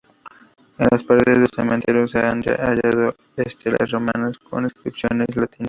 En las paredes del cementerio se han hallado estelas romanas con inscripciones latinas.